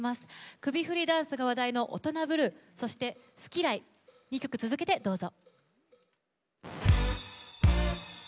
首振りダンスが話題の「オトナブルー」そして、「ＳｕｋｉＬｉｅ」２曲続けてどうぞ。